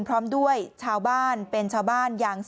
พร้อมด้วยชาวบ้านเป็นชาวบ้านยาง๔